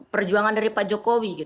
perjuangan dari pak jokowi